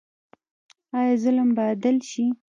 آیا ظلم به عدل شي؟